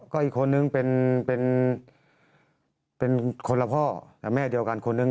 ก็อีกคนนึงเป็นคนละพ่อแต่แม่เดียวกันคนนึง